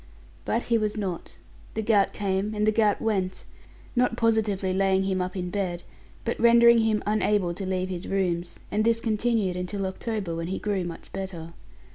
But he was not. The gout came, and the gout went not positively laying him up in bed, but rendering him unable to leave his rooms; and this continued until October, when he grew much better.